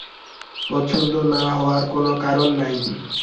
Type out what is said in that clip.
পছন্দ না-হওয়ার কোনো কারণ নাই।